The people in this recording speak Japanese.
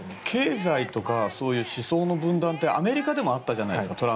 経済とか思想の分断ってアメリカでもあったじゃないですか。